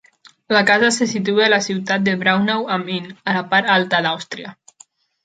La casa se situa a la ciutat de Braunau am Inn, a la part alta d'Àustria.